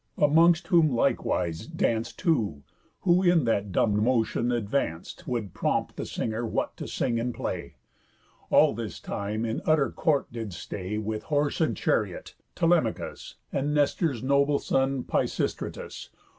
Amongst whom likewise danc'd Two, who in that dumb motion advanc'd, Would prompt the singer what to sing and play. All this time in the utter court did stay, With horse and chariot, Telemachus, And Nestor's noble son Pisistratus.